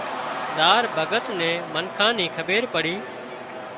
زار ڀڳت نِي منکان نين کٻيرپڙِي